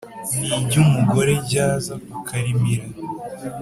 n’iryumugore ryaza ukarimira